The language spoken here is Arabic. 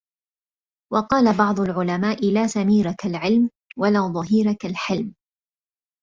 وَقَالَ بَعْضُ الْعُلَمَاءِ لَا سَمِيرَ كَالْعِلْمِ ، وَلَا ظَهِيرَ كَالْحِلْمِ